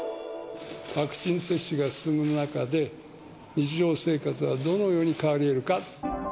ワクチン接種が進む中で、日常生活はどのように変わりうるか。